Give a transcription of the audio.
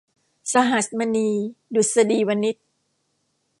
สหัสมณี ดุษฎีวนิช